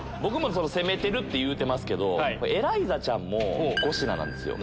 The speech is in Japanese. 攻めてるって言うてますけどエライザちゃんも５品なんですよ。